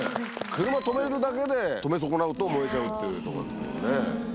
車止めるだけで、止め損なうと燃えちゃうっていうところですからね。